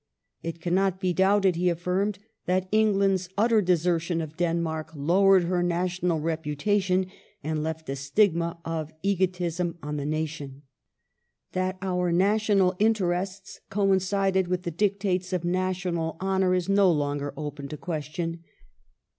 It cannot be doubted, he affirmed, that England's *' utter desertion of Denmark lowered her national repu tation and left a stigma of egotism on the nation ".^ That oui* national interests coincided with the dictates of national honour is no longer open to question.